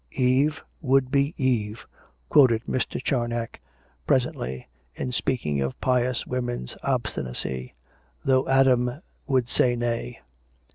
"' Eve would be Eve,' " quoted Mr. Charnoc presently, in speaking of pious women's obstinacy, "' though Adam would say Nay.'